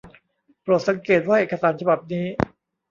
โปรดสังเกตว่าเอกสารฉบับนี้